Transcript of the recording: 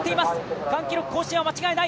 区間記録更新は間違いない。